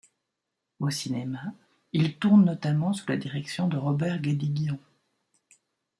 Au cinéma il tourne notamment sous la direction de Robert Guédiguian.